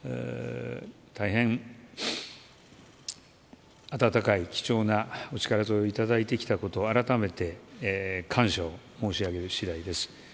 大変温かい貴重なお力添えをいただいてきたことをあらためて感謝を申し上げる次第です。